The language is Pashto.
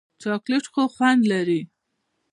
چاکلېټ خوږ خوند لري.